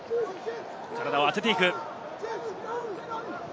体を当てていく。